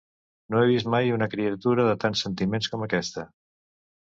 No he vist mai una criatura de tants sentiments com aquesta